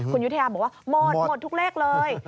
คุณยุธยาบอกว่าหมดหมดทุกเลขเลย